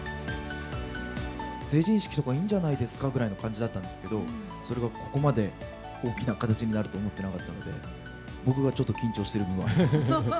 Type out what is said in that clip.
成人式とかいいんじゃないですかぐらいの感じだったんですけど、それがここまで大きな形になると思ってなかったので、僕がちょっと緊張している部分もあります。